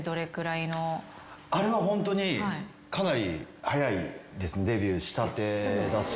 あれはホントにかなり早いです。